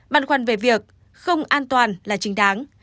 bản quan về việc không an toàn là chính đáng